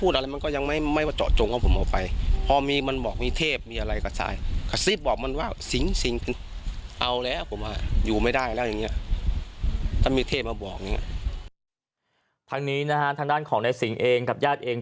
ทางนี้นะฮะทางด้านของนายสิงห์เองกับญาติเอง